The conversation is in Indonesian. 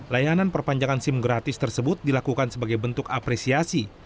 layanan perpanjangan sim gratis tersebut dilakukan sebagai bentuk apresiasi